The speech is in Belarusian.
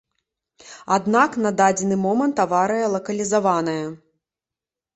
Аднак на дадзены момант аварыя лакалізаваная.